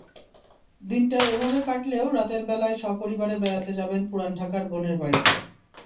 দিনটা এভাবে কাটলেও রাতের বেলায় সপরিবারে বেড়াতে যাবেন পুরান ঢাকার বোনের বাড়িতে।